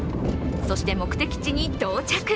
そして、目的地に到着。